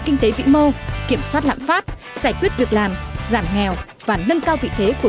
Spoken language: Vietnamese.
kim ngày xuất khẩu đạt trên một trăm năm mươi bảy tỷ usd